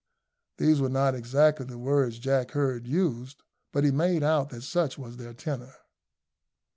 These were not exactly the words Jack heard used, but he made out that such was their tenor.